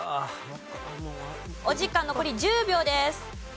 お時間残り１０秒です。